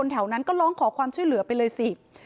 แถวนั้นก็ร้องขอความช่วยเหลือไปเลยสิ